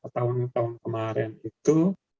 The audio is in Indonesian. tahun tahun kemarin itu